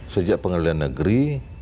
sejak pengadilan negeri